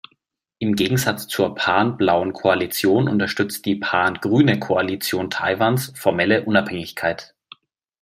Im Gegensatz zur pan-blauen Koalition unterstützt die pan-grüne Koalition Taiwans formelle Unabhängigkeit.